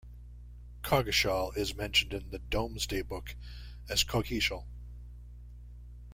Coggeshall is mentioned in the "Domesday Book" as Cogheshal.